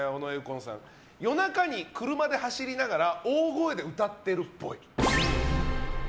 夜中に車で走りながら大声で歌っているっぽい。